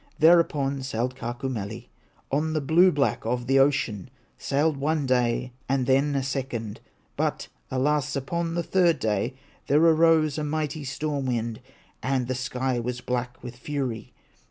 Thereupon sailed Kaukomieli On the blue back of the ocean; Sailed one day, and then a second, But, alas! upon the third day, There arose a mighty storm wind, And the sky was black with fury.